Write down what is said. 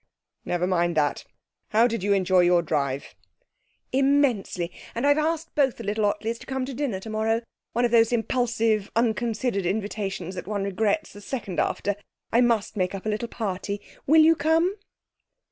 'Never mind that. How did you enjoy your drive?' 'Immensely, and I've asked both the little Ottleys to come to dinner tomorrow one of those impulsive, unconsidered invitations that one regrets the second after. I must make up a little party. Will you come?'